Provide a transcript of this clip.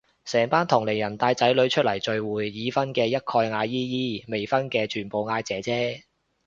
成班同齡人帶仔女出嚟聚會，已婚嘅一概嗌姨姨，未婚嘅全部嗌姐姐